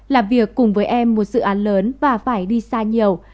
làm việc cùng với em một dự án lớn và phải đi xa nhiều